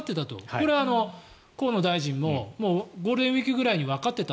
これは河野大臣もゴールデンウィークぐらいにわかっていた。